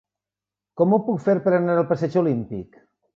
Com ho puc fer per anar al passeig Olímpic?